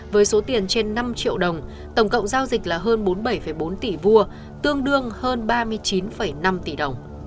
với số tiền trên năm triệu đồng tổng cộng giao dịch là hơn bốn mươi bảy bốn tỷ vuông tương đương hơn ba mươi chín năm tỷ đồng